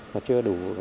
và chưa đủ